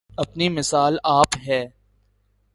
اپنی مثال آپ ہے